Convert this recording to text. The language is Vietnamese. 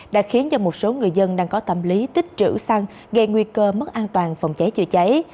đã khiến cho một số người dân đang có tâm lý tích trữ xăng gây nguy cơ mất an toàn phòng cháy chữa cháy